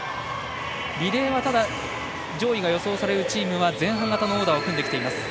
リレーは上位が予想される選手は前半型のオーダーを組んできています。